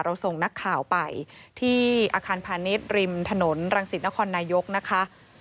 ส่งนักข่าวไปที่อาคารพาณิชย์ริมถนนรังสิตนครนายกนะคะ